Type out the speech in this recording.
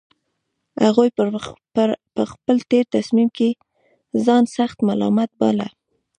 هغوی په خپل تېر تصميم کې ځان سخت ملامت باله